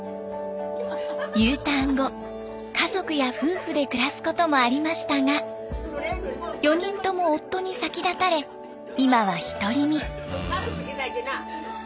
Ｕターン後家族や夫婦で暮らすこともありましたが４人とも夫に先立たれ今は独り身。